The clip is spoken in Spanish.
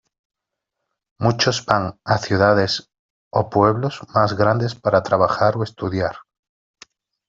Muchos van a ciudades o pueblos más grandes para trabajar o estudiar.